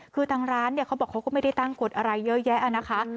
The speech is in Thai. คือทางร้านเนี่ยเขาบอกเขาก็ไม่ได้ตั้งกฎอะไรเยอะแยะนะคะ